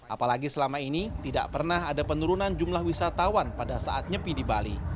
apalagi selama ini tidak pernah ada penurunan jumlah wisatawan pada saat nyepi di bali